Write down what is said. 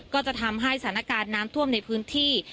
ก็จะทำให้สถานการณ์น้ำท่วมในพื้นที่